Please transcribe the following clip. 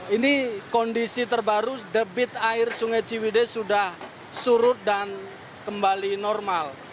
ini kondisi terbaru debit air sungai ciwide sudah surut dan kembali normal